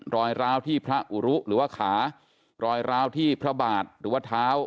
รอยร้าวที่พระอุรุหรือว่าขารอยร้าวที่พระบาทหรือว่าเท้า